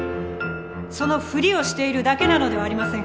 そのフリをしているだけなのではありませんか？